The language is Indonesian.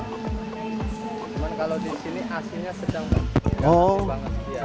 cuman kalau di sini asinnya sedang hijau banget